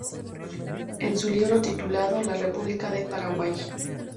En su libro titulado La República del Paraguay.